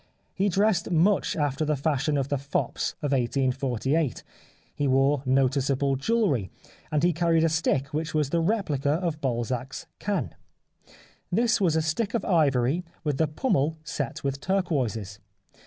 He dressed much after the fashion of the fops of 1848, he wore noticeable jewellery, and he carried a stick which was the replica of Balzac's canne. This was a stick of ivory with the pummel set with turquoises.